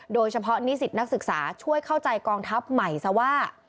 นิสิตนักศึกษาช่วยเข้าใจกองทัพใหม่ซะว่า